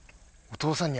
お父さん。